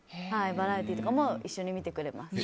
バラエティーとかも一緒に見てくれます。